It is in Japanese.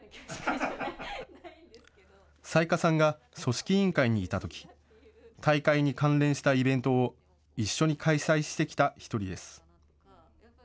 雑賀さんが組織委員会にいたとき、大会に関連したイベントを一緒に開催してきた１人です。